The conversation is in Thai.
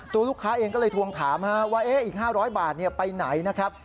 ตัวลูกค้าเองก็เลยทวงถามว่าอีก๕๐๐บาทไปไหนนะครับ